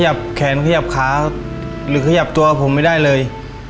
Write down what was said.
แขนขยับขาหรือขยับตัวผมไม่ได้เลย